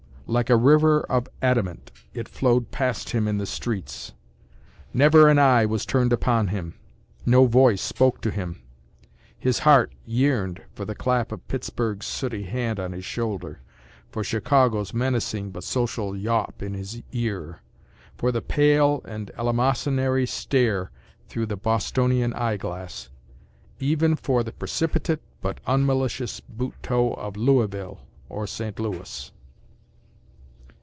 Like a river of adamant it flowed past him in the streets. Never an eye was turned upon him; no voice spoke to him. His heart yearned for the clap of Pittsburg’s sooty hand on his shoulder; for Chicago’s menacing but social yawp in his ear; for the pale and eleemosynary stare through the Bostonian eyeglass—even for the precipitate but unmalicious boot toe of Louisville or St. Louis.